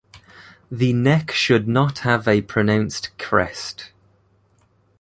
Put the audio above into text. The neck should not have a pronounced crest.